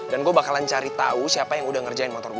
dan gua bakalan cari tau siapa yang udah ngerjain motor gua